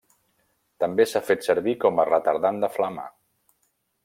També s’ha fet servir com retardant de flama.